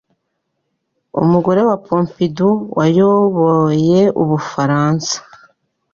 umugore wa Pompidou wayoboye u Bufaransa.